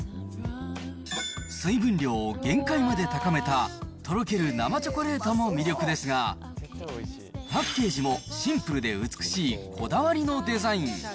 水分量を限界まで高めたとろける生チョコレートも魅力ですが、パッケージもシンプルで美しい、こだわりのデザイン。